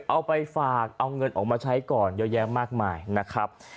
เอาไปฝากเอาเงินออกมาใช้ก่อนเยอะแยะมากมายนะครับ